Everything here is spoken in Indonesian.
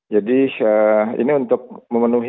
jadi ini untuk memenuhi